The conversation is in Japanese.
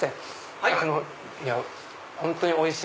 はい。